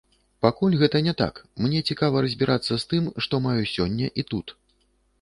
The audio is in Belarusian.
Пакуль гэта не так, мне цікава разбірацца з тым, што маю сёння і тут.